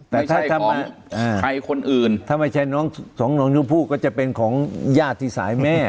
แต่ไม่ใช่ของใครคนอื่นถ้ามัยใช่ของน้องชมพู่ก็จะเป็นของยาดที่สายแม่